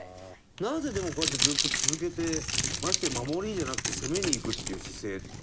なぜでもこうやってずっと続けてましてや守りじゃなくて攻めにいくっていう姿勢っていうのかな。